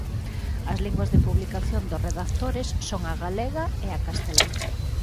As linguas de publicación dos redactores son a galega e a castelá.